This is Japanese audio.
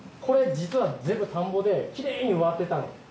これ実は全部田んぼできれいに植わってたの。